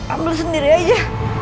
ambil sendiri aja